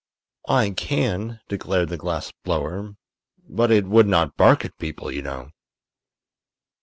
"I can," declared the glass blower; "but it would not bark at people, you know."